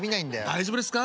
大丈夫ですか？